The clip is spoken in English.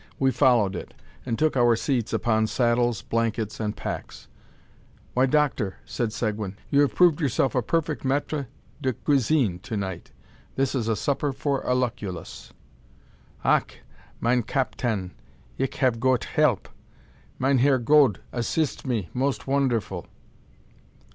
We followed it, and took our seats upon saddles, blankets, and packs. "Why, doctor," said Seguin, "you have proved yourself a perfect maitre de cuisine to night. This is a supper for a Lucullus." "Ach! mein captain, ich have goet help; Meinherr Gode assist me most wonderful."